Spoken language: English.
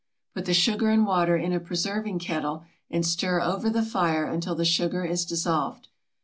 Put the sugar and water in a preserving kettle and stir over the fire until the sugar is dissolved.